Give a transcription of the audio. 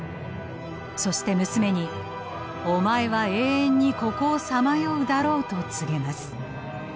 そして娘に「お前は永遠にここをさまようだろう」と告げます。